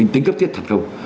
tính cấp thiết thật không